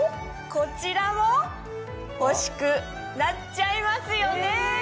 こちらも欲しくなっちゃいますよね。